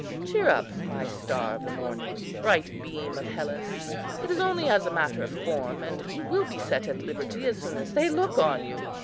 Cheer up, my star of the morning, bright beam of Hellas, it is only as a matter of form, and you will be set at liberty as soon as they look on you."